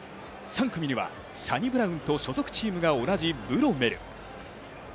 ３組にはサニブラウンと所属チームが同じブロメル。